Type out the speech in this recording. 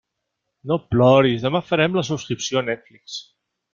No ploris, demà farem la subscripció a Netflix.